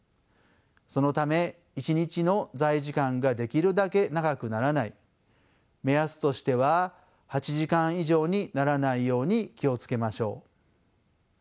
そのため１日の座位時間ができるだけ長くならない目安としては８時間以上にならないように気を付けましょう。